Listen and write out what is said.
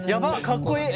かっこいい！